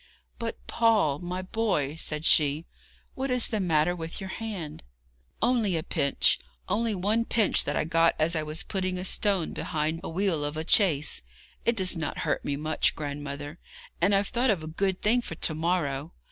'But, Paul, my boy,' said she, 'what is the matter with your hand?' 'Only a pinch only one pinch that I got as I was putting a stone behind a wheel of a chaise. It does not hurt me much, grandmother, and I've thought of a good thing for to morrow.